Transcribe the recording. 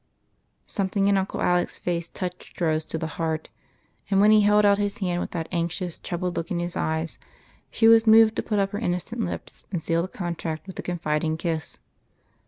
Something in Uncle Alec's face touched Rose to the heart, and when he held out his hand with that anx 30 EIGHT COUSINS. ious, troubled look in his eyes, she was moved to put up her innocent lips and seal the contract with a con fiding kiss.